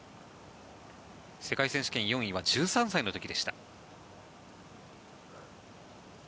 世界選手権４位は１３歳の時でした。